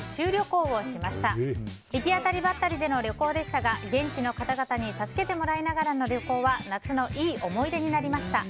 行き当たりばったりでの旅行でしたが現地の方々に助けてもらいながらの旅行は夏のいい思い出になりました。